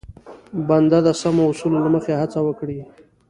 بنده د سمو اصولو له مخې هڅه وکړي.